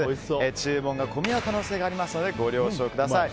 注文が混み合う可能性がありますのでご了承ください。